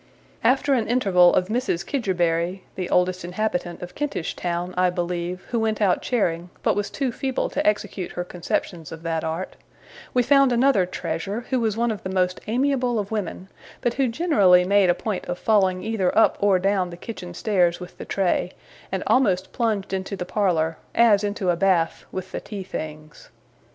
After an interval of Mrs. Kidgerbury the oldest inhabitant of Kentish Town, I believe, who went out charing, but was too feeble to execute her conceptions of that art we found another treasure, who was one of the most amiable of women, but who generally made a point of falling either up or down the kitchen stairs with the tray, and almost plunged into the parlour, as into a bath, with the tea things.